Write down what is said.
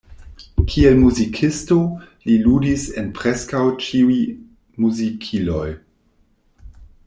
Kiel muzikisto, li ludis en preskaŭ ĉiuj muzikiloj.